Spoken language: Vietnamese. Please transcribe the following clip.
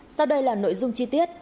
sau đây là nội dung chi tiết